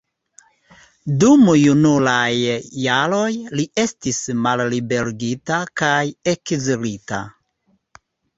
Dum junulaj jaroj li estis malliberigita kaj ekzilita.